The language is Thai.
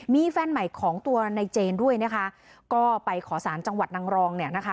มีแฟนใหม่ของตัวในเจนด้วยนะคะก็ไปขอสารจังหวัดนางรองเนี่ยนะคะ